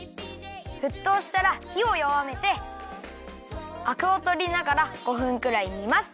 ふっとうしたらひをよわめてアクをとりながら５分くらいにます。